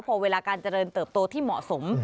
พอเวลาการเจริญเติบโตที่เหมาะสม